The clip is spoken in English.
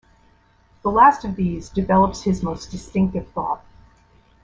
The last of these develops his most distinctive thought.